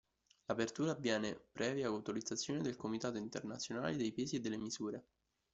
L'apertura avviene previa autorizzazione del "Comitato Internazionale dei Pesi e delle Misure".